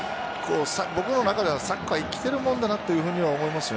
僕の中ではサッカーは生きているものだなと思います。